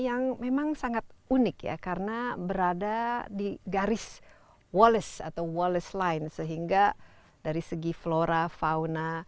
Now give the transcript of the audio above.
yang memang sangat unik ya karena berada di garis wallace atau wallace line sehingga dari segi flora fauna